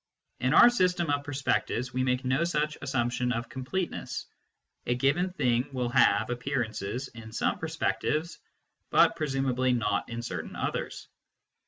In our system of perspectives, we make no such assumption of completeness. A given thing will have appearances in some perspectives, but presumably not in certain others.